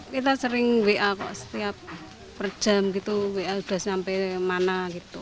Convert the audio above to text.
kita sering wa setiap per jam wa udah sampai mana